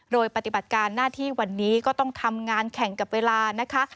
โดยปฏิบัติการหน้าที่วันนี้ก็ต้องทำงานแข่งกับเวลานะคะ